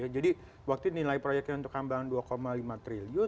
jadi waktu itu nilai proyeknya untuk hambalang dua lima triliun